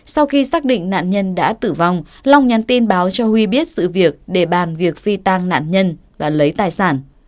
sau khi xác định nạn nhân đã tử vong long nhắn tin báo cho huy biết sự việc để bàn việc phi tang nạn nhân và lấy tài sản